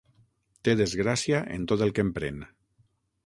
Té desgràcia en tot el que emprèn.